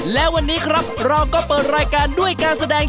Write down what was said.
และวันนี้ครับเราก็เปิดรายการด้วยการแสดง